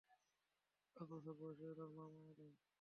পাঁচ বছর বয়সেই ওনার মা মারা যায়।